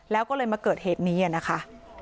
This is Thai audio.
แล้วก็เลยมาเกิดเหตุนี้นะคะ